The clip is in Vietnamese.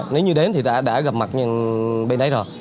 nếu như đến thì ta đã gặp mặt bên đấy rồi